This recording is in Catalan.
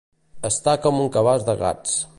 Estar com un cabàs de gats.